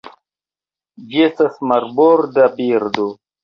Ĝi estas marborda birdo.